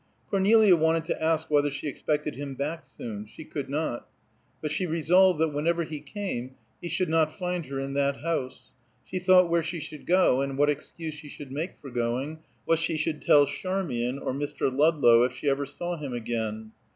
Cornelia wanted to ask whether she expected him back soon; she could not; but she resolved that whenever he came he should not find her in that house. She thought where she should go, and what excuse she should make for going, what she should tell Charmian, or Mr. Ludlow, if she ever saw him again.